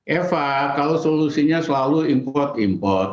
eva kalau solusinya selalu import import